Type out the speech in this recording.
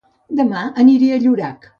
Dema aniré a Llorac